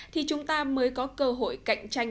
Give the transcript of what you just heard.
thì chúng ta mới có cơ hội cạnh tranh